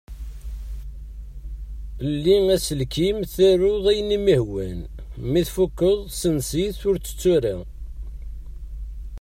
Lli aselkim taruḍ ayen i m-ihwan. Mi tfukeḍ sens-it. Ur tettu ara!